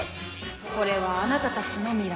これはあなたたちの未来。